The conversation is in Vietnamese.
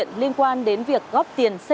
thế cuối cùng cũng